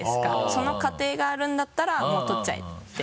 その過程があるんだったらもう取っちゃえって。